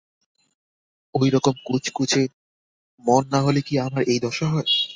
ওই রকম কুচকুরে মন না হলে কি আর এই দশা হয়?